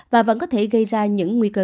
và vẫn có thể gây ra những nguy cơ